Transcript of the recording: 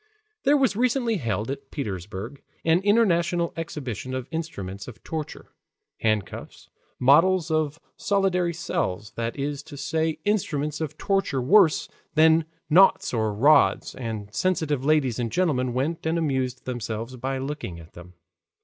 There was recently held at Petersburg an international exhibition of instruments of torture, handcuffs, models of solitary cells, that is to say instruments of torture worse than knouts or rods, and sensitive ladies and gentlemen went and amused themselves by looking at them.